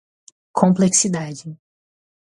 complexidade